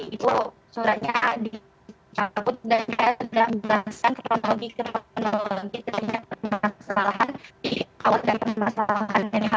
itu suratnya dikabut dan dikabut dalam bahasan kronologi kronologi tentang permasalahan di awal dari permasalahan ini